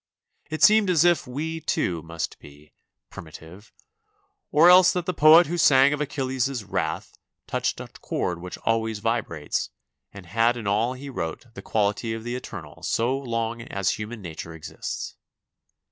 It seemed as if we, too, must be "primitive," or else that the poet who sang of Achilles's wrath touched a chord which always vibrates and had in all he wrote the quality of the eternal so long as human nature exists.